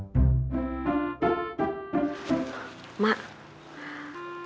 kalau dikasih tahu kayak begitu